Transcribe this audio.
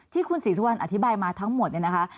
ที่คุณศรีสะวันอธิบายมาทั้งหมด